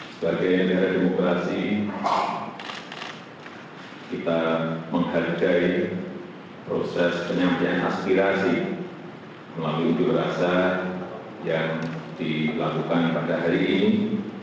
sebagai negara demokrasi kita menghargai proses penyampaian aspirasi melalui unjuk rasa yang dilakukan pada hari ini